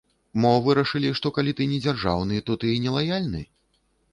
Мо вырашылі, што калі ты не дзяржаўны, то ты і не лаяльны?